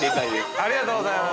◆ありがとうございます。